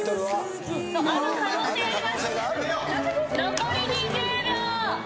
残り２０秒。